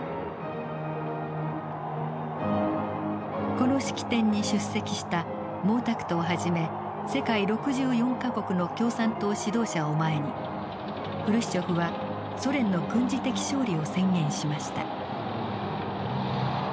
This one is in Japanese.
この式典に出席した毛沢東はじめ世界６４か国の共産党指導者を前にフルシチョフはソ連の軍事的勝利を宣言しました。